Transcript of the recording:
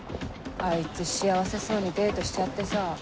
あいつ幸せそうにデートしちゃってさ。